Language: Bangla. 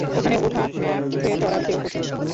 ওখানে ওঠা ম্যামথে চড়ার চেয়েও কঠিন।